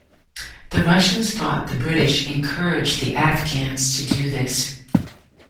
The Russians thought the British encouraged the Afghans to do this.